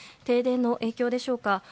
停電の影響でしょうか。